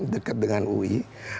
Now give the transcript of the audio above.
dekat dengan ui